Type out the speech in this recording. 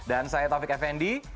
dan saya taufik effendi